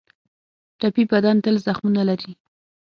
ټپي بدن تل زخمونه لري.